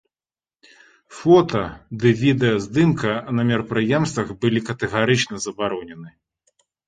Фота ды відэаздымка на мерапрыемствах былі катэгарычна забаронены.